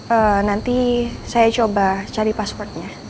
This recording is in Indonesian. eh nanti saya coba cari passwordnya